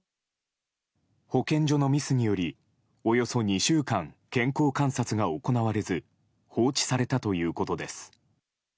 保健所のミスによりおよそ２週間健康観察が行われず放置されたということです。